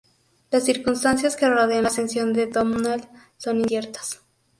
Las circunstancias que rodean la ascensión de Domnall son inciertas.